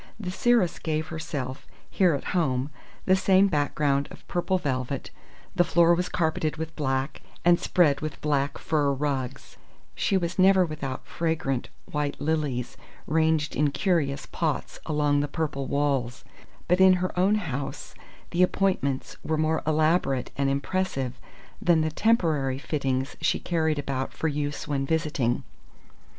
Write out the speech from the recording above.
The seeress gave herself, here at home, the same background of purple velvet; the floor was carpeted with black, and spread with black fur rugs; she was never without fragrant white lilies ranged in curious pots along the purple walls; but in her own house the appointments were more elaborate and impressive than the temporary fittings she carried about for use when visiting.